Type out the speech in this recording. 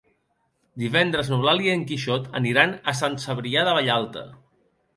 Divendres n'Eulàlia i en Quixot aniran a Sant Cebrià de Vallalta.